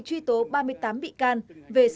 truy tố ba mươi tám bị can về